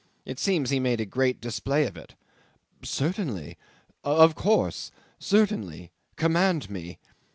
It seems he made a great display of it. "Certainly of course certainly command me."